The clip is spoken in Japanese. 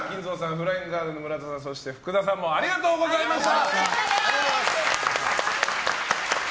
フライングガーデンの村田さんそして福田さんもありがとうございました。